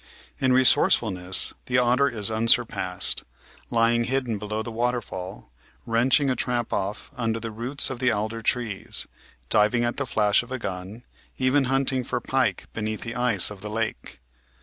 In resourceful ness the otter is unsurpassed — lying hidden below the waterfall, wrenching a trap off under the roots of the alder trees, diving at the flash of a gun, even hunting for pike beneath the ice of the lake.